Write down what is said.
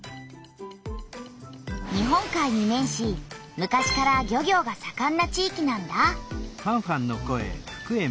日本海に面し昔から漁業がさかんな地域なんだ。